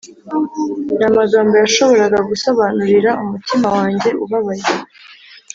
nta magambo yashoboraga gusobanurira umutima wanjye ubabaye,